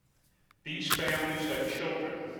These families have children.